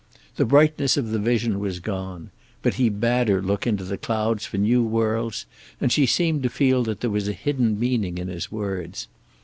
The brightness of the vision was gone. But he bade her look into the clouds for new worlds, and she seemed to feel that there was a hidden meaning in his words.